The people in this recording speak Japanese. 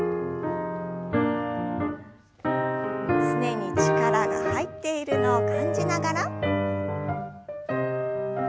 すねに力が入っているのを感じながら。